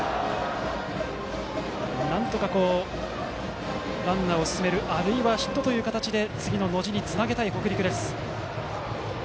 なんとかランナーを進めるあるいはヒットという形で次の野路につなげたい北陸です。